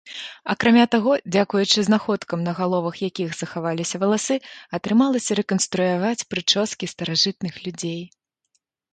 Акрамя таго, дзякуючы знаходкам, на галовах якіх захаваліся валасы, атрымалася рэканструяваць прычоскі старажытных людзей.